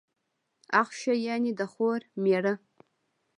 اخښی، يعني د خور مېړه.